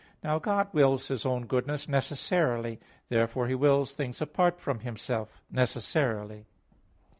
Now God wills His own goodness necessarily. Therefore He wills things apart from Himself necessarily.